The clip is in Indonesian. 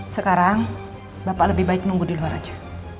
sekarang bapak lebih baik nunggu di luar aja